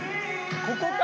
ここか！